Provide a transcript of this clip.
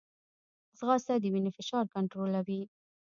ځغاسته د وینې فشار کنټرولوي